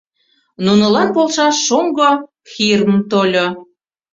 Нунылан полшаш шоҥго Хирм тольо.